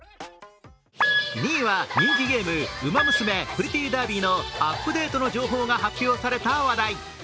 ２位は人気ゲーム「ウマ娘プリティーダービー」のアップデートの情報が発表された話題。